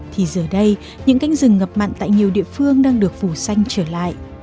thì giờ đây những cánh rừng ngập mặn tại nhiều địa phương đang được phủ xanh trở lại